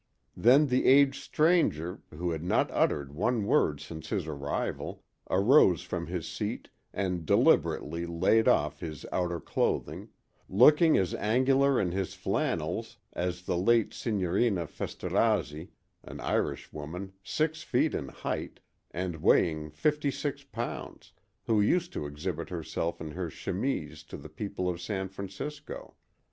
Then the aged stranger, who had not uttered one word since his arrival, arose from his seat and deliberately laid off his outer clothing, looking as angular in his flannels as the late Signorina Festorazzi, an Irish woman, six feet in height, and weighing fifty six pounds, who used to exhibit herself in her chemise to the people of San Francisco.